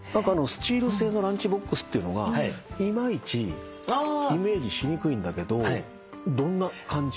スチール製のランチボックスっていうのがいまいちイメージしにくいんだけどどんな感じ？